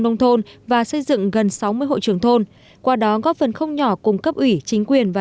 nông thôn và xây dựng gần sáu mươi hội trường thôn qua đó góp phần không nhỏ cùng cấp ủy chính quyền và